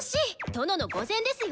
殿の御前ですよ！